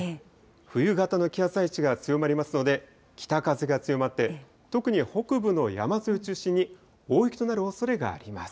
冬型の気圧配置が強まりますので、北風が強まって、とくに北部の山沿いを中心に大雪となるおそれがあります。